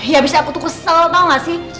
ya abis itu aku kesel tau gak sih